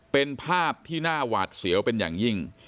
เป็นภาพที่น่าหวาดเสียวเป็นอย่างยิ่ง